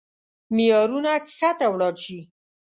معيارونه کښته ولاړ شي.